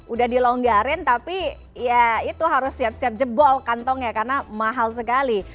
udah dilonggarin tapi ya itu harus siap siap jebol kantongnya karena mahal sekali